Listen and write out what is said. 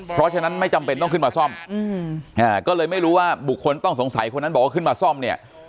เพราะฉะนั้นไม่จำเป็นต้องขึ้นมาซ่อมก็เลยไม่รู้ว่าบุคคลต้องสงสัยคนนั้นบอกว่าขึ้นมาซ่อมเนี่ย